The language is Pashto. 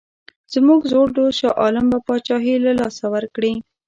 زموږ زوړ دوست شاه عالم به پاچهي له لاسه ورکړي.